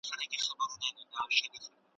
موږ د سياست په اړه نوي معلومات ترلاسه کوو.